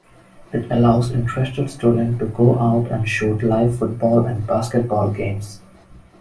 It allows interested student to go out and shoot live football and basketball games.